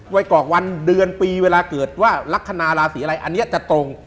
ไว้กรอกวันเดือนปีเวลาเกิดว่าลักษณะราศีอะไรอันนี้จะตรง